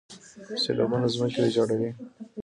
سیلابونه ځمکې ویجاړوي.